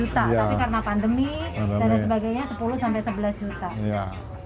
tapi karena pandemi dan sebagainya sepuluh sebelas juta